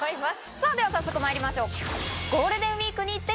さぁでは早速まいりましょう。